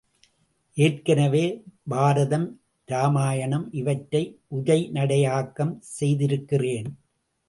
ஏற்கனவே பாரதம் இராமாயணம் இவற்றை உரை நடையாக்கம் செய்திருக்கிறேன்.